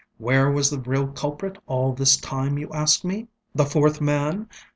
Where was the real culprit all this time, you ask meŌĆöthe fourth man?